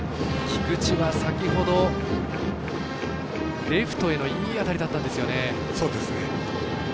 菊地は先ほど、レフトへのいい当たりだったんですよね。